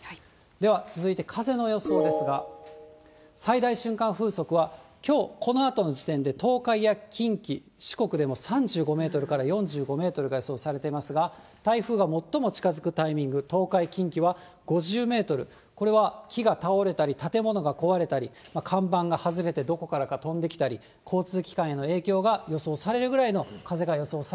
では続いて風の予想ですが、最大瞬間風速はきょう、このあとの時点で、東海や近畿、四国でも３５メートルから４５メートルが予想されていますが、台風が最も近づくタイミング、東海、近畿は５０メートル、これは木が倒れたり、建物が壊れたり、看板が外れてどこからか飛んできたり、交通機関への影響が予想されるぐらいの風が予想